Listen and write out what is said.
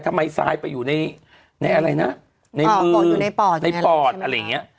ทำไมทรายไปอยู่ในในอะไรนะในมืออ่ากดอยู่ในปอดในปอดอะไรอย่างเงี้ย